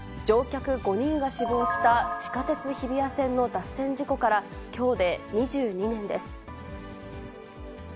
乗客５人が死亡した地下鉄日比谷線の脱線事故から、きょうで２２年です。